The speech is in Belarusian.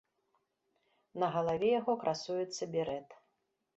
На галаве яго красуецца берэт.